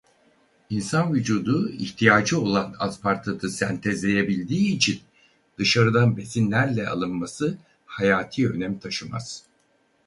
İnsan vücudu ihtiyacı olan aspartatı sentezleyebildiği için dışarıdan besinlerle alınması hayati önem taşımaz.